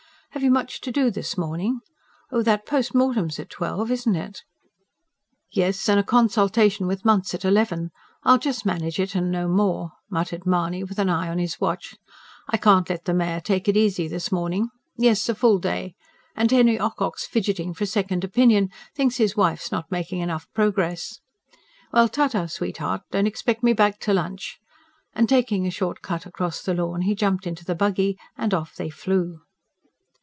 "Have you much to do this morning? Oh, that post mortem's at twelve, isn't it?" "Yes; and a consultation with Munce at eleven I'll just manage it and no more," muttered Mahony with an eye on his watch. "I can't let the mare take it easy this morning. Yes, a full day. And Henry Ocock's fidgeting for a second opinion; thinks his wife's not making enough progress. Well, ta ta, sweetheart! Don't expect me back to lunch." And taking a short cut across the lawn, he jumped into the buggy and off they flew.